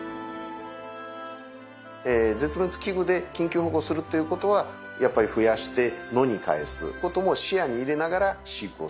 絶滅危惧で緊急保護するっていうことはやっぱり増やして野に帰すことも視野に入れながら飼育をするわけで。